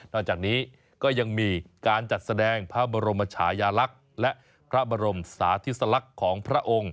จากนี้ก็ยังมีการจัดแสดงพระบรมชายาลักษณ์และพระบรมสาธิสลักษณ์ของพระองค์